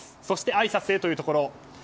そして、あいさつへというところ。